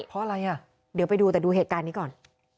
เพราะอะไรอ่ะเดี๋ยวไปดูแต่ดูเหตุการณ์นี้ก่อน